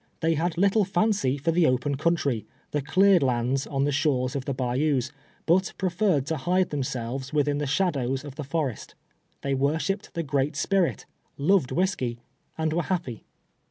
They had little lancy for the o})en country, the cleared lands on the shores of the bayous, hut preferred to hide themselves within the shadows of the forest. Tliey worshiped the Great Spirit, loved whisky, and were happy.